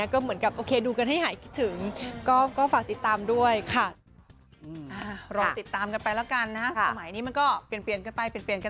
ก็เหมือนกับโอเคดูกันให้หายคิดถึงก็ฝากติดตามด้วยค่ะ